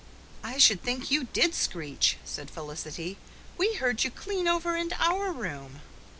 "I should think you did screech," said Felicity. "We heard you clean over into our room."